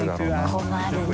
困るね。